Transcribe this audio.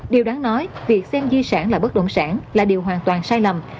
điều đáng nói việc xem di sản là bất động sản là điều hoàn toàn sai lầm